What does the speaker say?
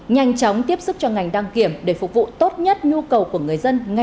nhanh chóng tiếp sức cho ngành đăng kiểm để phục vụ tốt nhất nhu cầu của người dân